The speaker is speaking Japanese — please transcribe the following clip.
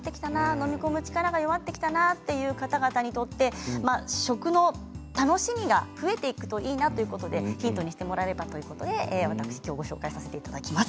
飲み込む力が弱ってきたなという方々にとって食の楽しみが増えていくといいなということでヒントにしてもらえればということできょうご紹介させていただきます。